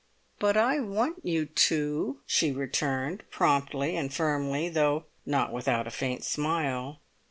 "But I want you to," she returned promptly and firmly, though not without a faint smile.